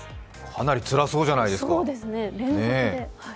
かなりつらそうじゃないですか、ねえ。